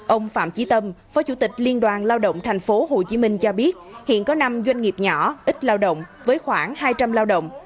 ông phạm trí tâm phó chủ tịch liên đoàn lao động tp hcm cho biết hiện có năm doanh nghiệp nhỏ ít lao động với khoảng hai trăm linh lao động